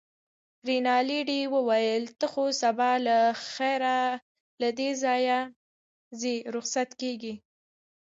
رینالډي وویل: ته خو سبا له خیره له دې ځایه ځې، رخصت کېږې.